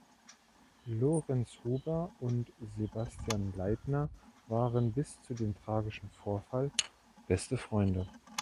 Lorenz Huber und Sebastian Leitner waren bis zu dem tragischen Vorfall beste Freunde.